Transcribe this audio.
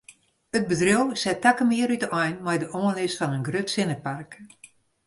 It bedriuw set takom jier útein mei de oanlis fan in grut sinnepark.